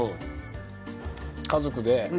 家族で。